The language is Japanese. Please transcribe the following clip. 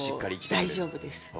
大丈夫です。